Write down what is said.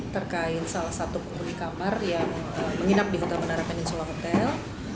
terkait salah satu penghuni kamar yang menginap di hotel menara peninsula hotel